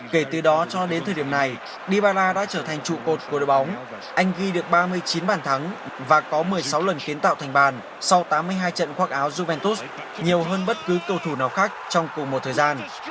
kể từ đó cho đến thời điểm này dibara đã trở thành trụ cột của đội bóng anh ghi được ba mươi chín bàn thắng và có một mươi sáu lần kiến tạo thành bàn sau tám mươi hai trận khoác áo juventus nhiều hơn bất cứ cầu thủ nào khác trong cùng một thời gian